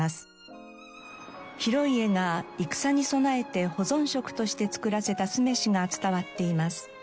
広家が戦に備えて保存食として作らせた酢飯が伝わっています。